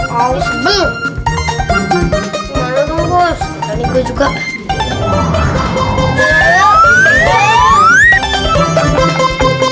harus sholat nih iya juga juga